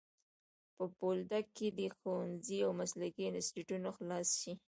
په بولدک کي دي ښوونځی او مسلکي انسټیټونه خلاص سي.